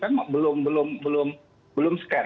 kan belum scan